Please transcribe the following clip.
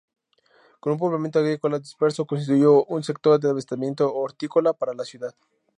Con un poblamiento agrícola disperso, constituyendo un sector de abastecimiento hortícola para la ciudad.